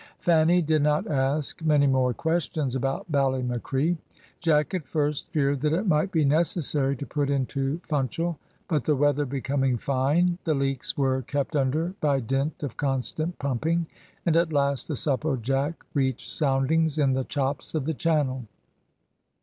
Fanny did not ask many more questions about Ballymacree. Jack at first feared that it might be necessary to put into Funchal, but the weather becoming fine, the leaks were kept under by dint of constant pumping, and at last the Supplejack reached soundings in the chops of the Channel.